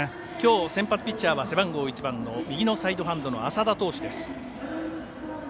今日先発ピッチャーは背番号１番の右のサイドハンド麻田投手です。